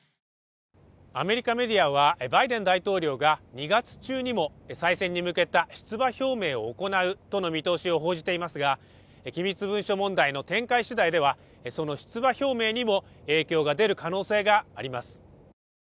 アメリカメディアはバイデン大統領が２月中にも再選に向けた出馬表明を行うとの見通しを報じていますが、機密文書問題の展開しだいでは、その出馬表明にも影響が出る可能性があります。